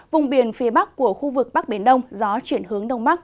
vùng biển phía bắc của khu vực bắc biển đông gió chuyển hướng đông bắc